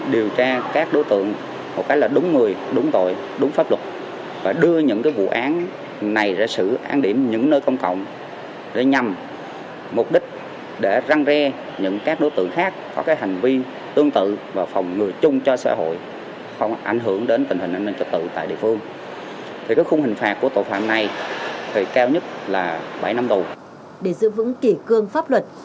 để giữ vững kỷ cương pháp luật